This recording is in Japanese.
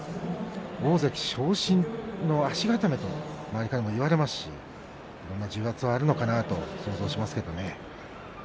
大関昇進の足固めと周りからも言われますしいろんな重圧があるのかなと想像しますけどね。